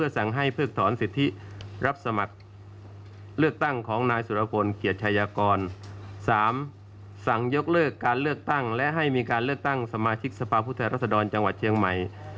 สามทำเลือกตั้งที่สมาชิกที่ที่๘จังหวัดเชียงใหม่